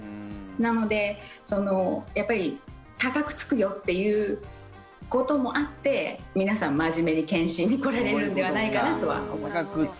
なので、やっぱり高くつくよっていうこともあって皆さん真面目に検診に来られるのではないかとは思います。